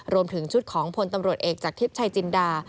รวมถึงชุดของพลตำรวจเอกจากทิพย์ชัยจินดา